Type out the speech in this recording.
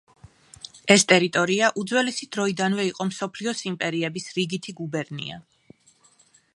ეს ტერიტორია უძველესი დროიდანვე იყო მსოფლიოს იმპერიების რიგითი გუბერნია.